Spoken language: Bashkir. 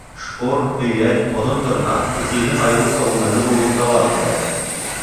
Шпор, һөйәл, оҙон тырнаҡ туфлиҙың айырыуса уңайлы булыуын талап итә.